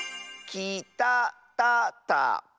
きたたたか？